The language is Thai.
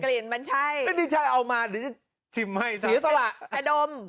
กลิ่นมันใช่ไม่ได้ใช่เอามาหรือจะชิมให้สีสระแต่ดม